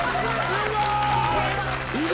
すごい！